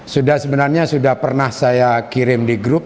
sudah sebenarnya sudah pernah saya kirim di grup